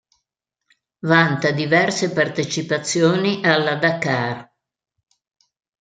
Vanta diverse partecipazioni alla Dakar.